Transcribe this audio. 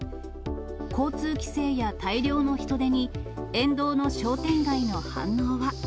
交通規制や大量の人出に、沿道の商店街の反応は。